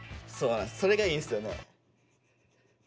それがいいんすよね。